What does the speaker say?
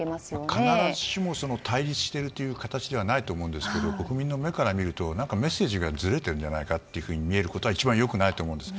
必ずしも対峙しているという形ではないと思うんですけど国民の目から見るとメッセージがずれているんじゃないかなと見えることは一番良くないと思います。